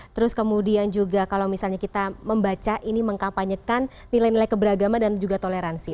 terus kemudian juga kalau misalnya kita membaca ini mengkampanyekan nilai nilai keberagaman dan juga toleransi